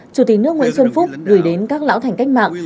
chủ tịch nước nguyễn xuân phúc gửi đến các lão thành cách mạng